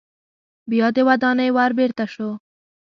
بیا د ودانۍ ور بیرته شو.